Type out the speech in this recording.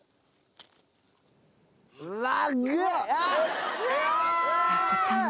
うわ！